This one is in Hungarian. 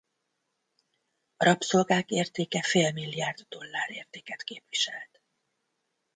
A rabszolgák értéke fél milliárd dollár értéket képviselt.